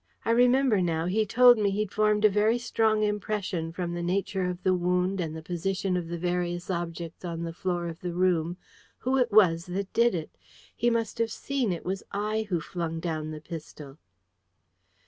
I remember now, he told me he'd formed a very strong impression, from the nature of the wound and the position of the various objects on the floor of the room, who it was that did it! He must have seen it was I who flung down the pistol."